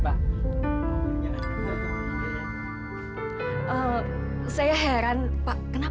berarti banyak arah tangan